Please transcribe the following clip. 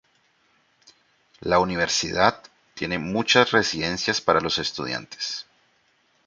La universidad tiene muchas residencias para los estudiantes.